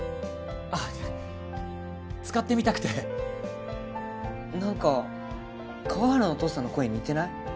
あ使ってみたくて何か川原のお父さんの声に似てない？